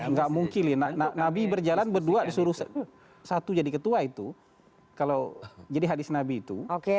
nggak mungkin nabi berjalan berdua disuruh satu jadi ketua itu kalau jadi hadis nabi itu